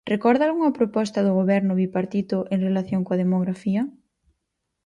¿Recorda algunha proposta do Goberno bipartito en relación coa demografía?